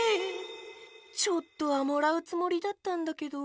ちょっとはもらうつもりだったんだけど。